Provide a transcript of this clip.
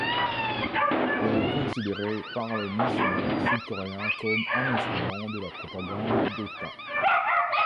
Elle est considérée par les missionnaires sud-coréens comme un instrument de la propagande d'état.